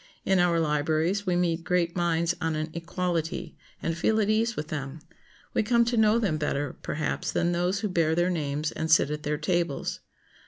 In our libraries we meet great minds on an equality, and feel at ease with them. We come to know them better, perhaps, than those who bear their names and sit at their tables.